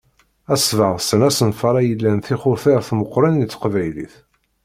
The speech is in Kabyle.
Ad sbeɣsen asenfar-a ilan tixutert meqqren i teqbaylit.